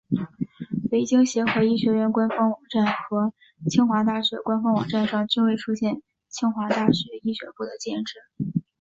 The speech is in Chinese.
北京协和医学院官方网站和清华大学官方网站上均未出现清华大学医学部的建制。